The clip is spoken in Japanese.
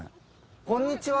こんにちは。